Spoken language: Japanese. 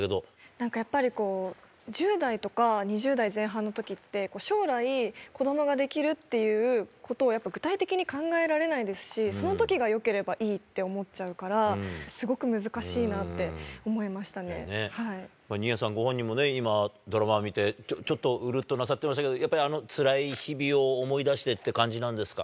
なんかやっぱりこう、１０代とか２０代前半のときって将来、子どもができるっていうことをやっぱり具体的に考えられないですし、そのときがよければいいって思っちゃうから、すごく難しいな新谷さん、ご本人も、今、ドラマ見て、ちょっとうるっとなさってましたけど、やっぱり、あのつらい日々を思い出してって感じなんですか。